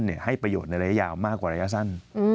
ให้ประโยชน์ในระยะยาวมากกว่าระยะสั้น